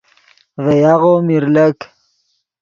ڤے یاغو میر لک